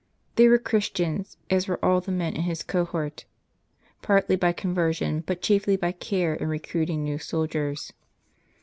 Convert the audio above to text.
They were Christians, as were all the men in his cohort ; i^artly by conversion, but chiefly by care in recruiting new soldiers.